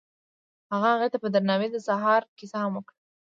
هغه هغې ته په درناوي د سهار کیسه هم وکړه.